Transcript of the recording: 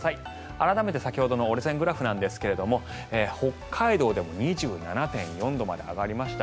改めて先ほどの折れ線グラフですが北海道でも２７．４度まで上がりました。